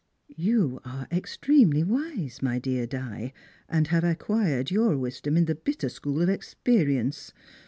" You are extremely wise, my dear Di, and have acquired your wisdom in the bitter school of experience.